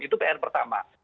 itu pr pertama